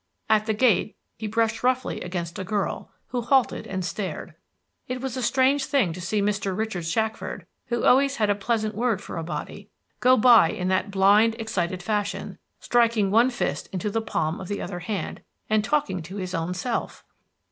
At the gate he brushed roughly against a girl, who halted and stared. It was a strange thing to see Mr. Richard Shackford, who always had a pleasant word for a body, go by in that blind, excited fashion, striking one fist into the palm of the other hand, and talking to his own self!